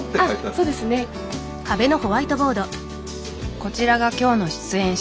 こちらが今日の出演者。